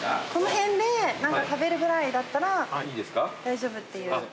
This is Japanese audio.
この辺で何か食べるぐらいだったら大丈夫っていう。